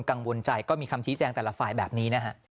กังวลใจก็มีคำชี้แจงแต่ละฝ่ายแบบนี้นะฮะ